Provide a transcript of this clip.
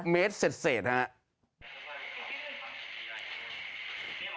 ๖เมตรเศษครับ